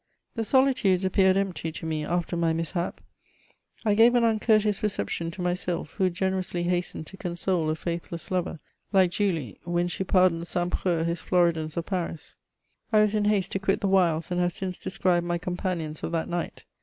The solitudes appeared empty to me after my mishap. I gave an uncourteous reception to my sylph, who generously hastened to console a faithless lover, like .Julie when she pardoned St. Preux hb Floridans of Paris. I was in haste to quit the wilds, and have since described my com panions of that night.